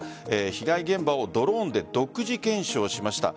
被害現場をドローンで独自検証しました。